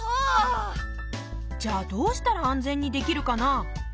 じゃあどうしたら安全にできるかな？